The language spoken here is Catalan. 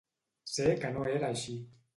Sé que no era així.